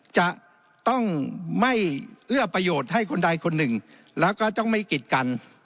จะต้องไม่เอื้อประโยชน์ให้คนใดคนหนึ่งแล้วก็ต้องไม่กิดกัน